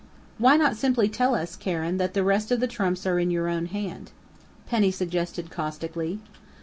"Why not simply tell us, Karen, that the rest of the trumps are in your own hand?" Penny suggested caustically.